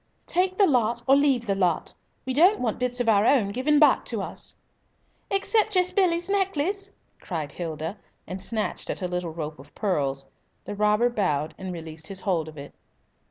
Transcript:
"Take the lot or leave the lot. We don't want bits of our own given back to us." "Except just Billy's necklace!" cried Hilda, and snatched at a little rope of pearls. The robber bowed, and released his hold of it.